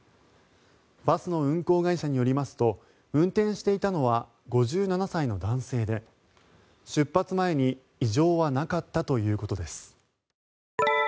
バスの運行会社によりますと運転していたのは５７歳の男性で出発前に異常はなかったということです。